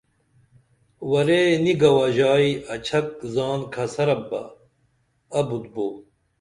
ورے نی گوژائی اچھک زان کھسرپ بہ ابُت بو